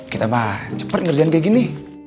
kita mah cepet ngerjain kayak gini